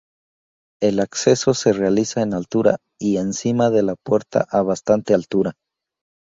El acceso se realiza en altura, y encima de la puerta a bastante altura.